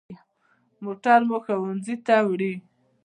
موټر مو ښوونځي ته وړي.